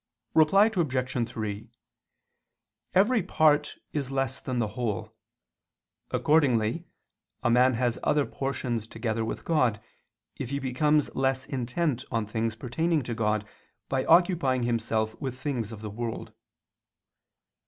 Reply Obj. 3: Every part is less than the whole. Accordingly a man has other portions together with God, if he becomes less intent on things pertaining to God by occupying himself with things of the world.